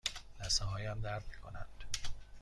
لثه هایم درد می کنند.